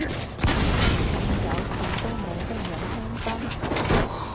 咁有錢都冇得飲香檳